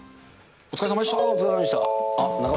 お疲れさまでした。